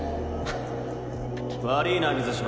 悪いな水嶋。